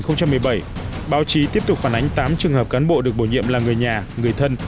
năm hai nghìn một mươi bảy báo chí tiếp tục phản ánh tám trường hợp cán bộ được bổ nhiệm là người nhà người thân